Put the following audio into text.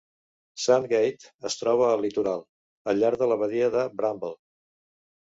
Sandgate es troba al litoral, al llarg de la badia de Bramble.